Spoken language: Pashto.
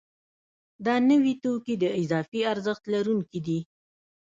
دا نوي توکي د اضافي ارزښت لرونکي دي